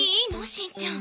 しんちゃん。